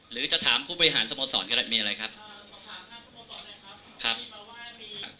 หรือจะถามผู้บริหารสโมสรก็ได้มีอะไรครับอ่าสอบถามข้างสโมสรหน่อยครับ